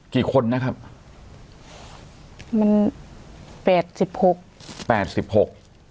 กี่คนนะครับมันแปดสิบหกแปดสิบหก